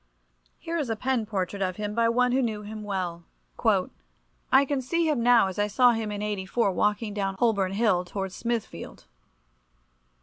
Here is a pen portrait of him by one who knew him well— "I can see him now as I saw him in '84 walking down Holborn Hill, towards Smithfield.